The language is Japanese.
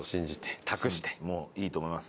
もういいと思います。